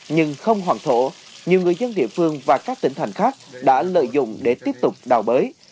nhưng không hoàn thổ nhiều người dân địa phương và các tỉnh thành khác đã lợi dụng để tiếp tục đào bới